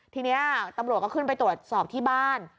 ทีนี้ตำรวจก็ขึ้นไปตรวจสอบที่บ้าน